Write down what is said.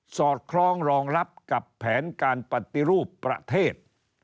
อดคล้องรองรับกับแผนการปฏิรูปประเทศ